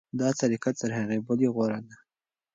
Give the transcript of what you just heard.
دا طریقه تر هغې بلې غوره ده.